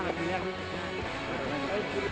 พอให้จะได้รับสร้างต้องสาวเกี่ยว